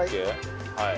はい。